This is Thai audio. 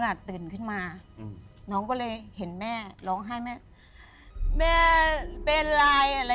แล้วมือก็อย่างเงี้ยแล้วปากก็เบี้ยอ่ะ